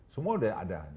semua sudah ada